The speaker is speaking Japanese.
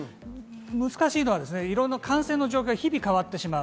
難しいのは感染状況が日々変わってしまう。